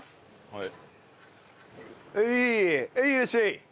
はい。